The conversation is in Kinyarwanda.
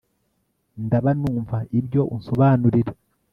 ndaba numva ibyo unsobanurira